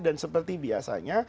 dan seperti biasanya